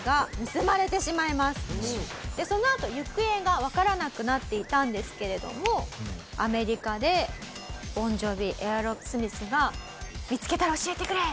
そのあと行方がわからなくなっていたんですけれどもアメリカでボン・ジョヴィエアロスミスが「見つけたら教えてくれ！」